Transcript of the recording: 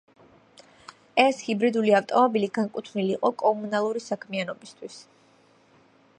ეს ჰიბრიდული ავტომობილი განკუთვნილი იყო კომუნალური საქმიანობისთვის.